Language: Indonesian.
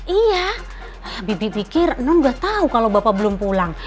iya bibik pikir non gak tau kalau bapak belum pulang